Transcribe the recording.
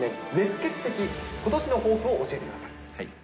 ケツ的ことしの抱負を教えてください。